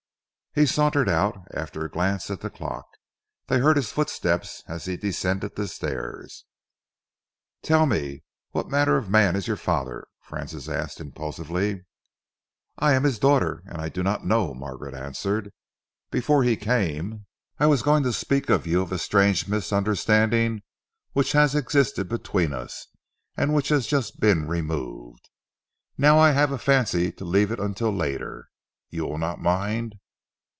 He sauntered out, after a glance at the clock. They heard his footsteps as he descended the stairs. "Tell me, what manner of a man is your father?" Francis asked impulsively. "I am his daughter and I do not know," Margaret answered. "Before he came, I was going to speak to you of a strange misunderstanding which has existed between us and which has just been removed. Now I have a fancy to leave it until later. You will not mind?"